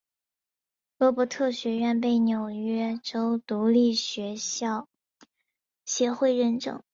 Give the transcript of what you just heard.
罗伯特学院被纽约州独立学校协会认证。